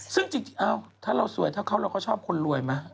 ซึ่งจริงถ้าเราสวยถ้าเขาเราก็ชอบคนรวยไหม